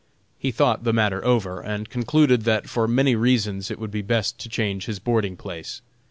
He thought the matter over, and concluded that for many reasons it would be best to change his boarding place.